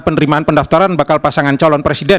penerimaan pendaftaran bakal pasangan calon presiden